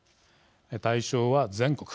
対象は全国。